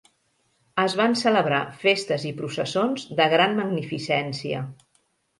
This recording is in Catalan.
Es van celebrar festes i processons de gran magnificència.